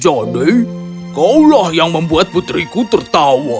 jadi kaulah yang membuat putriku tertawa